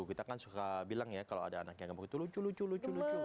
kita kan suka bilang ya kalau ada anaknya gemuk itu lucu lucu lucu